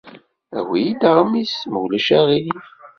Awi-iyi-d aɣmis, ma ulac aɣilif.